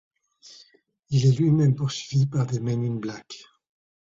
Il est lui-même poursuivi par des Men In Black.